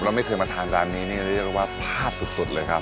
ไม่เคยมาทานร้านนี้นี่เรียกได้ว่าพลาดสุดเลยครับ